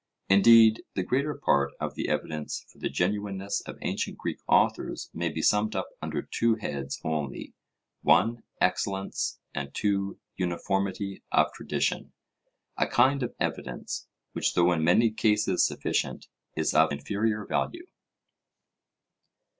Indeed the greater part of the evidence for the genuineness of ancient Greek authors may be summed up under two heads only: (1) excellence; and (2) uniformity of tradition a kind of evidence, which though in many cases sufficient, is of inferior value.